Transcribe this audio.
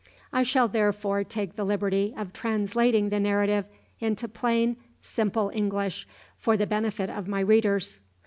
I shall therefore take the liberty of translating the narrative into plain, simple English for the benefit of my readers.